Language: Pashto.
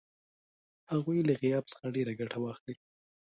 هغوی له غیاب څخه ډېره ګټه واخلي.